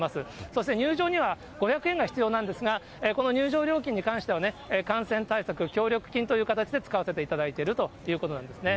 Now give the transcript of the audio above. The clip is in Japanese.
そして入場には５００円が必要なんですが、この入場料金に関しては、感染対策協力金という形で使わせていただいているということなんですね。